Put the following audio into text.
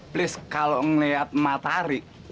tolong kalau ngeliat matahari